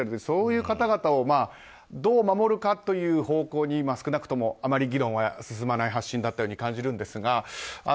そういう方々をどう守るかという方向に今、少なくともあまり議論は進まない発信だったように感じるんですが。